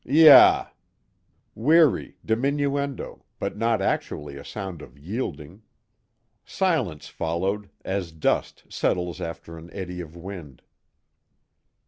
"Yah!" Weary, diminuendo, but not actually a sound of yielding. Silence followed, as dust settles after an eddy of wind.